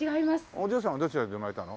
お嬢さんはどちらで生まれたの？